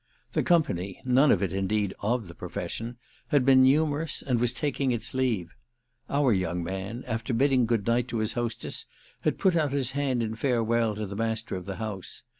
The company—none of it indeed of the profession—had been numerous and was taking its leave; our young man, after bidding good night to his hostess, had put out his hand in farewell to the master of the house.